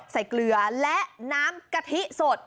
เกลือและน้ำกะทิสด